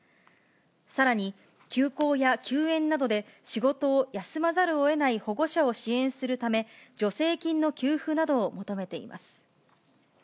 さらに休校や休園などで仕事を休まざるをえない保護者を支援するため、助成金の給付などを求めています。